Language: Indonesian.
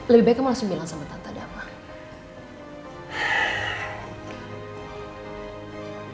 lebih baik kamu langsung bilang sama tante ada apa